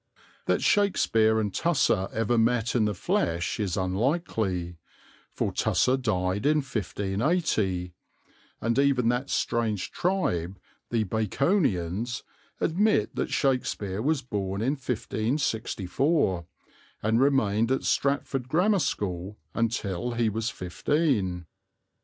That Shakespeare and Tusser ever met in the flesh is unlikely, for Tusser died in 1580, and even that strange tribe the Baconians admit that Shakespeare was born in 1564 and remained at Stratford Grammar School until he was fifteen.